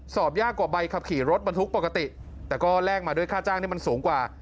สอบยากกว่าใบขับขี่รถบรรทุกปกติแต่ก็แลกมาด้วยค่าจ้างที่มันสูงกว่า